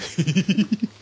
フフフフッ。